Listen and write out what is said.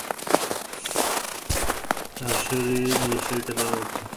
তাঁর নিজের শরীরটাও ভালো যাচ্ছে না।